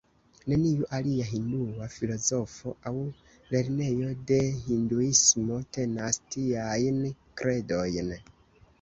Neniu alia hindua filozofo aŭ lernejo de hinduismo tenas tiajn kredojn.